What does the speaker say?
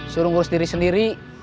suruh ngurus diri sendiri